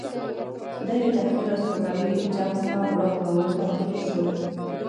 دی د تحقیر او سپکاوي جام څخه غوړپ کولو ته مجبور شو.